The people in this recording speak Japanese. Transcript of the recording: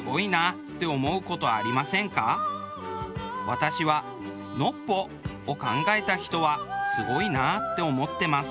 私は「ノッポ」を考えた人はすごいなって思ってます。